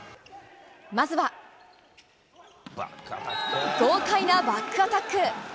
まずは豪快なバックアタック。